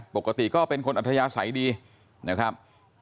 ปกติก็เป็นคนอัธยาศัยดีนะครับ